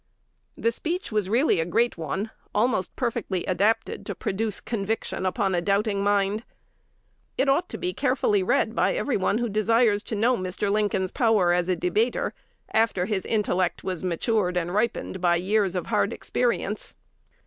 The speech was really a great one, almost perfectly adapted to produce conviction upon a doubting mind. It ought to be carefully read by every one who desires to know Mr. Lincoln's power as a debater, after his intellect was matured and ripened by years of hard experience.